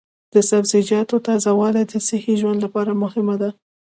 د سبزیجاتو تازه والي د صحي ژوند لپاره مهمه ده.